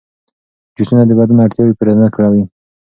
جوسونه د بدن اړتیاوې پوره نه کوي.